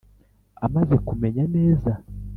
amaze kumenya neza